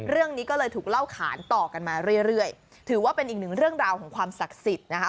เรื่องนี้ก็เลยถูกเล่าขานต่อกันมาเรื่อยเรื่อยถือว่าเป็นอีกหนึ่งเรื่องราวของความศักดิ์สิทธิ์นะคะ